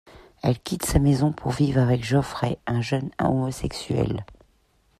Elle quitte sa maison pour vivre avec Geoffrey un jeune homosexuel.